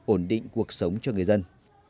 ổn định cuộc sống cho người dân